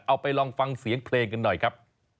เอาไปลองฟังเสียงเพลงกันหน่อยครับ